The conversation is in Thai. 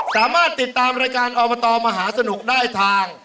สามารถติดตามรายการอบตมหาสนุกได้ทาง